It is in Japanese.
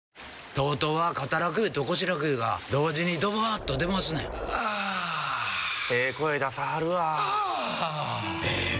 ＴＯＴＯは肩楽湯と腰楽湯が同時にドバーッと出ますねんあええ声出さはるわあええ